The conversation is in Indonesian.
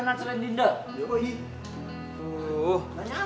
masa dia bakal becerah